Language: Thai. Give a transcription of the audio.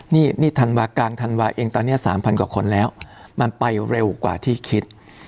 นี่นี่ธันวากลางธันวาเองตอนนี้๓๐๐กว่าคนแล้วมันไปเร็วกว่าที่คิด